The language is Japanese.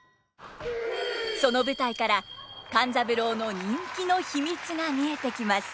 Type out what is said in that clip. その舞台から勘三郎の人気の秘密が見えてきます。